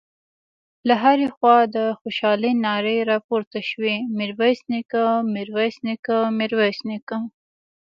له هرې خوا د خوشالۍ نارې راپورته شوې: ميرويس نيکه، ميرويس نيکه، ميرويس نيکه….